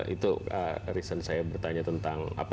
itu saya bertanya tentang apa pendapat anda tentang kompetitornya